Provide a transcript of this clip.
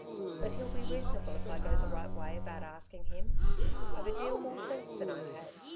But he'll be reasonable if I go the right way about asking him. I've a deal more sense than I had.